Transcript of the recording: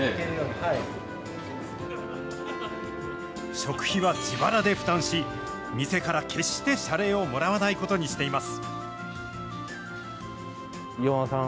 食費は自腹で負担し、店から決して謝礼をもらわないことにしています。